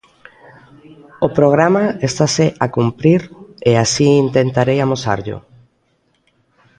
O programa estase a cumprir, e así intentarei amosarllo.